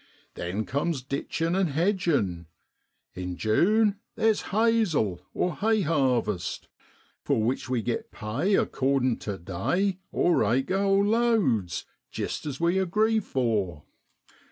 Then cums ditchin' an' hedgin'. In June theer's ' haysel,' or hayharvest, for which we get pay accordin' tu day or acre or loads, jist as we agree for.